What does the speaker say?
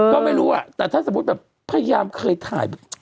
ก็ไม่รู้แต่ถ้าสมมุติแบบพยายามเคยถ่าย